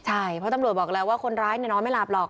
ใช่เพราะตำรวจบอกแล้วว่าคนร้ายนอนไม่หลับหรอก